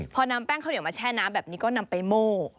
พอนำแป้งข้าวเหนียวมาแช่น้ำแบบนี้ก็นำไปโม่